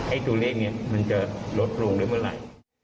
ไอ้ตัวเลขเนี่ยมันจะลดลงได้เมื่อไหร่